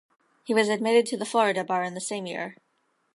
He was admitted to the Florida Bar in the same year.